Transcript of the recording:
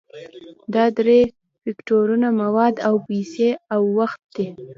دا درې فکتورونه مواد او پیسې او وخت دي.